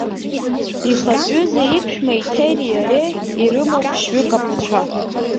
Ихатәҩыза иԥшәма Еҭерии иареи ирымоуп ԥшьҩык аԥацәа…